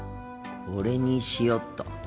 これにしよっと。